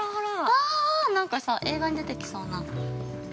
◆あーなんかさ、映画に出てきそうな。